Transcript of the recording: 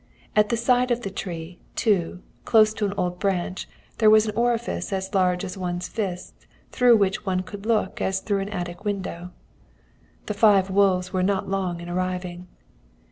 At the side of the tree, too, close to an old branch, there was an orifice as large as one's fist, through which one could look as through an attic window. "The five wolves were not long in arriving.